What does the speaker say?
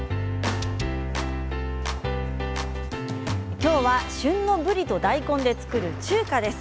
きょうは旬のぶりと大根で作る中華です。